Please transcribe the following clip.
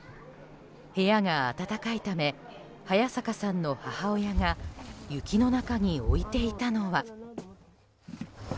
部屋が暖かいため早坂さんの母親が雪の中に置いていたのは。